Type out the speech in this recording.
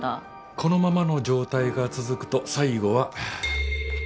このままの状態が続くと最後は。